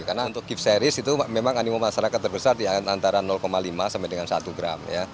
karena untuk gift series itu memang animum masyarakat terbesar di antara lima sampai dengan satu gram